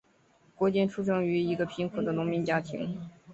郭坚出生于一个贫苦的农民家庭。